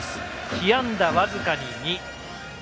被安打、僅かに２。